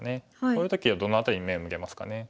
こういう時はどの辺りに目を向けますかね。